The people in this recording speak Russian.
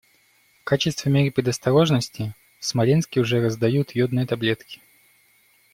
В качестве меры предосторожности в Смоленске уже раздают йодные таблетки.